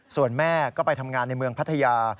ส่วนแม่ก็ไปทำงานในเมืองพัทยา